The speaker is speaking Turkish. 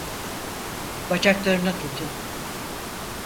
Bacaklarını tutun.